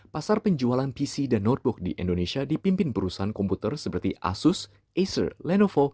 pasar penjualan pc dan notebox di indonesia dipimpin perusahaan komputer seperti asus acer lenovo